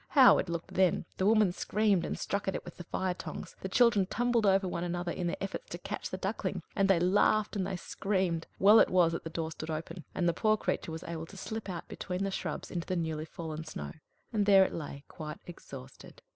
How it looked then! The woman screamed, and struck at it with the fire tongs; the children tumbled over one another in their efforts to catch the Duckling; and they laughed and they screamed! well it was that the door stood open, and the poor creature was able to slip out between the shrubs into the newly fallen snow there it lay quite exhausted.